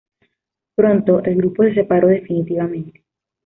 Pronto, el grupo se separó definitivamente.